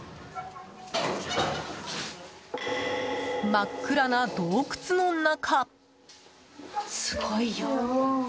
真っ暗な洞窟の中！